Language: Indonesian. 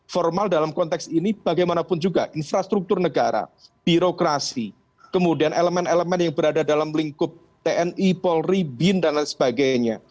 formal dalam konteks ini bagaimanapun juga infrastruktur negara birokrasi kemudian elemen elemen yang berada dalam lingkup tni polri bin dan lain sebagainya